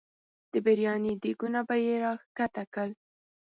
د بریاني دیګونه به یې را ښکته کړل.